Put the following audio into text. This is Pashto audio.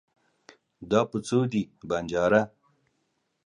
دا په څو دی ؟ بنجاره